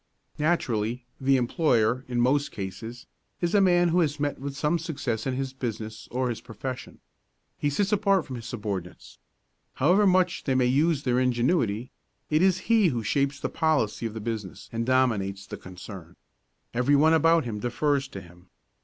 Naturally, the employer, in most cases, is a man who has met with some success in his business or his profession. He sits apart from his subordinates. However much they may use their ingenuity, it is he who shapes the policy of the business and dominates the concern. Every one about him defers to him.